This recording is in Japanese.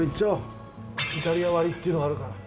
イタリア割りっていうのがあるから。